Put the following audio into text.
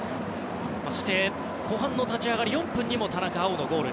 そして後半の立ち上がり４分にも田中碧のゴール。